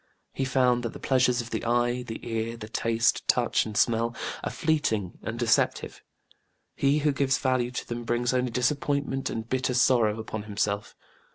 He found that the pleasures of the eye, the ear, the taste, touch and smell are fleeting and deceptive: he who gives value to them brings only disappointment and bitter sorrow upon himself.